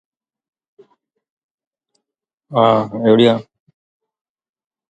It is situated a short distance to the west of Burnopfield.